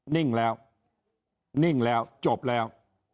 นิ่งแล้วนิ่งแล้วจบแล้ว